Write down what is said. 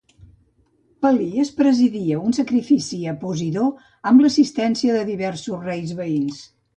Pelias presidia un sacrifici a Posidó amb l'assistència de diversos reis veïns.